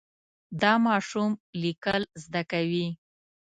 دا ماشوم لیکل زده کوي.